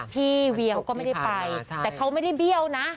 เวียวก็ไม่ได้ไปแต่เขาไม่ได้เบี้ยวนะ